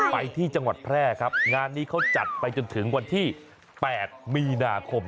ไปที่จังหวัดแพร่ครับงานนี้เขาจัดไปจนถึงวันที่๘มีนาคม